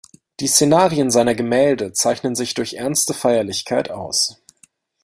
Die Szenarien seiner Gemälde zeichnen sich durch ernste Feierlichkeit aus.